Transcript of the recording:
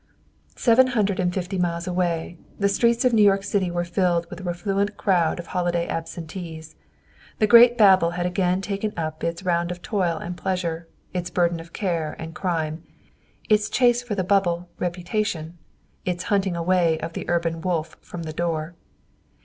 Seven hundred and fifty miles away, the streets of New York City were filled with the refluent crowd of holiday absentees. The great Babel had again taken up its round of toil and pleasure, its burden of care and crime, its chase for the bubble "reputation," its hunting away of the urban wolf from the door.